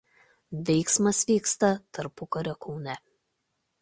Veiksmas vyksta tarpukario Kaune.